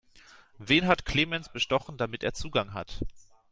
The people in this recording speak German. Wen hat Clemens bestochen, damit er Zugang hat?